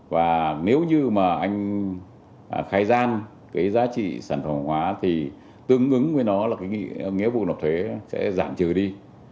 và nếu như mà anh khai gian cái giá trị sản phẩm hóa thì tương ứng với nó là cái nghĩa vụ nộp thuế sẽ giảm trừ đi